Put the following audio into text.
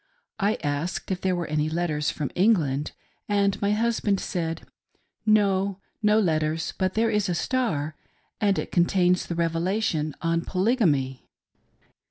I asked if there were any letters from England, and my hus band said :" No ; no letters, but there is a Star, and it con tains the Revelation on Polygamy."